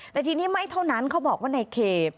แต่ทีนี้ไม่เท่านั้นเขาบอกว่าในเค